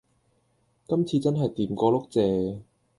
今次真係掂過碌蔗